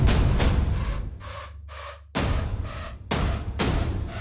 pak lihat pak